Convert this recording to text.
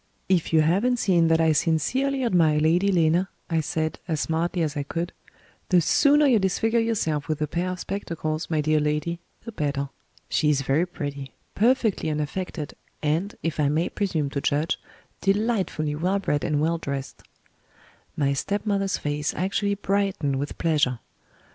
"If you hav'n't seen that I sincerely admire Lady Lena," I said, as smartly as I could, "the sooner you disfigure yourself with a pair of spectacles, my dear lady, the better. She is very pretty, perfectly unaffected, and, if I may presume to judge, delightfully well bred and well dressed." My stepmother's face actually brightened with pleasure.